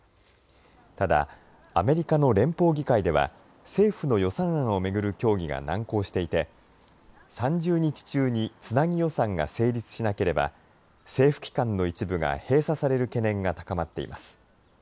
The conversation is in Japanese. ただアメリカの連邦議会では政府の予算案を巡る協議が難航していて３０日中につなぎ予算が成立しなければ政府機関の一部が閉鎖される懸念が高まっています。